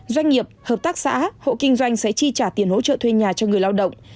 doanh nghiệp hợp tác xã hộ kinh doanh sẽ chi trả tiền hỗ trợ thuê nhà cho người lao động